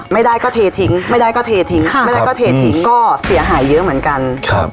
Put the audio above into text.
ไม่ได้ก็เททิ้งไม่ได้ก็เททิ้งไม่ได้ก็เททิ้งก็เสียหายเยอะเหมือนกันครับ